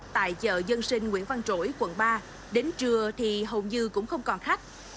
tại chợ dân sinh nguyễn văn trỗi quận ba đến trưa thì hầu như cũng không còn khách